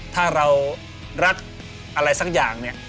ถ้าเรารักอะไรสักอย่างเนี่ย